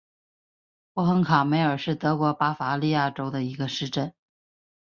霍亨卡梅尔是德国巴伐利亚州的一个市镇。